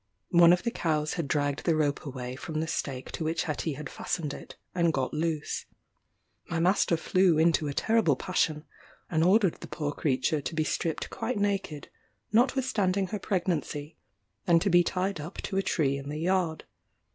One of the cows had dragged the rope away from the stake to which Hetty had fastened it, and got loose. My master flew into a terrible passion, and ordered the poor creature to be stripped quite naked, notwithstanding her pregnancy, and to be tied up to a tree in the yard.